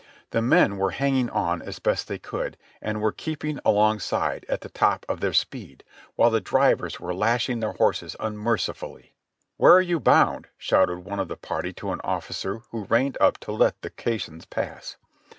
The men were hanging on as best they could, or were keeping along side at the top of their speed, while the drivers were lashing their horses unmercifully. "Where are you bound?" shouted one of the party to an officer who reined up to let the caissons pass.